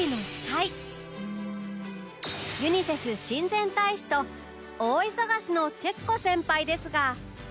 ユニセフ親善大使と大忙しの徹子先輩ですが